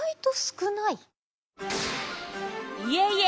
いえいえ！